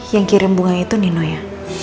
yang kirim bunga itu nino ya